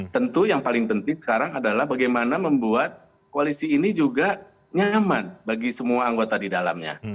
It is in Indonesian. tentu yang paling penting sekarang adalah bagaimana membuat koalisi ini juga nyaman bagi semua anggota di dalamnya